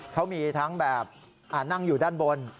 เขามีทั้งแบบนั่งอยู่ด้านบน